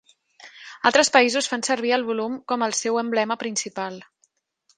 Altres països fan servir el volum com el seu emblema principal.